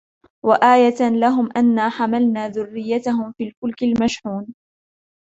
وآية لهم أنا حملنا ذريتهم في الفلك المشحون